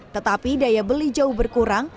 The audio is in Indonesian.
tetapi daya beli jauh berkurang